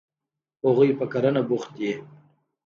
هغوی په کرنه بوخت دي.